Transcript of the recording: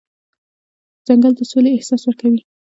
ځنګل د سولې احساس ورکوي.